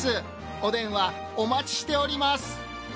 お電話お待ちしております。